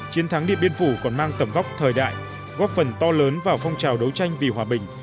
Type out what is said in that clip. chiến thắng điện biên phủ còn mang tầm góc thời đại góp phần to lớn vào phong trào đấu tranh vì hòa bình